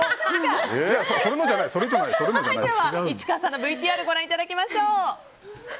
市川さんのＶＴＲご覧いただきましょう。